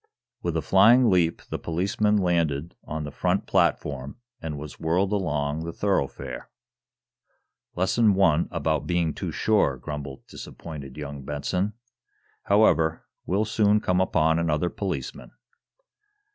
With a flying leap the policeman landed on the front platform and was whirled along the thoroughfare. "Lesson number one about being too sure," grumbled disappointed young Benson. "However, we'll soon come upon another policeman."